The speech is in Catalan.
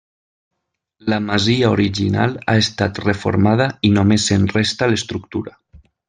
La masia original ha estat reformada i només en resta l'estructura.